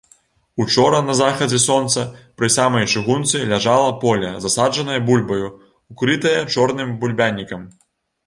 Учора на захадзе сонца пры самай чыгунцы ляжала поле, засаджанае бульбаю, укрытае чорным бульбянікам.